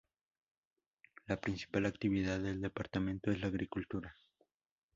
La principal actividad del departamento es la agricultura.